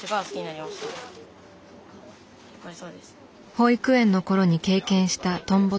保育園のころに経験したトンボ捕り。